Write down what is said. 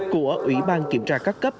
của ủy ban kiểm tra các cấp